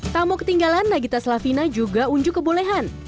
tamu ketinggalan nagita slavina juga unjuk kebolehan